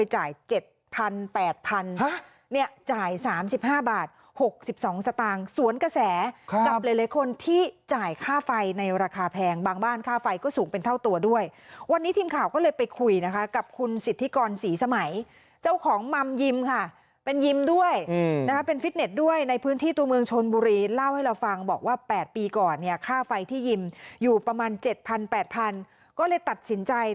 เนี่ยจ่าย๓๕บาท๖๒สตางค์สวนกระแสกับหลายคนที่จ่ายค่าไฟในราคาแพงบางบ้านค่าไฟก็สูงเป็นเท่าตัวด้วยวันนี้ทีมข่าวก็เลยไปคุยนะคะกับคุณสิทธิกรศรีสมัยเจ้าของมัมยิมค่ะเป็นยิมด้วยนะคะเป็นฟิตเน็ตด้วยในพื้นที่ตัวเมืองชนบุรีเล่าให้เราฟังบอกว่า๘ปีก่อนเนี่ยค่าไฟที่ยิมอยู่ประมาณ๗๐๐๘๐๐ก็เลยตัดสินใจ